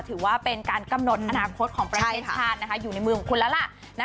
ถือว่าเป็นการกำหนดอนาคตของประเทศชาติอยู่ในมือของคุณแล้วล่ะ